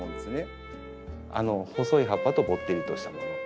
細い葉っぱとぼってりとしたもの。